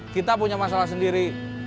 kita punya masalah sendiri